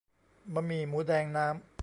บะหมี่หมูแดง น้ำ